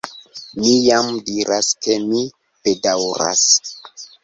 Mi jam diras ke mi bedaŭras.